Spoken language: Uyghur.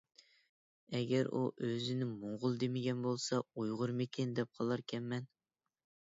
ئەگەر ئۇ ئۆزىنى موڭغۇل دېمىگەن بولسا، ئۇيغۇرمىكىن دەپ قالاركەنمەن.